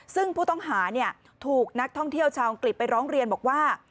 ซึ่งผู้ต้องหาถูกนักท่องเที่ยวชาวอังกฤษไปร้องเรียนบอกว่า